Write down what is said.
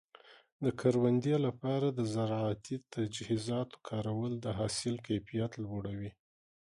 د کروندې لپاره د زراعتي تجهیزاتو کارول د حاصل کیفیت لوړوي.